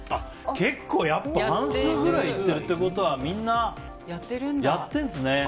結構やっぱ半数ぐらいやったことはみんな、やっているんですね。